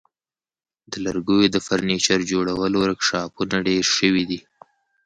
د لرګیو د فرنیچر جوړولو ورکشاپونه ډیر شوي دي.